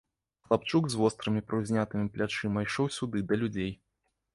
Хлапчук з вострымі прыўзнятымі плячыма ішоў сюды, да людзей.